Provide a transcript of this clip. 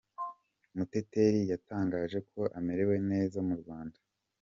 muteteri yatangaje ko amerewe neza mu Rwanda